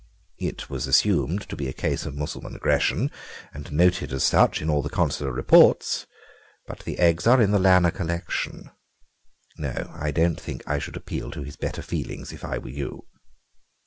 It was assumed to be a case of Mussulman aggression, and noted as such in all the Consular reports, but the eggs are in the Lanner collection. No, I don't think I should appeal to his better feelings if I were you."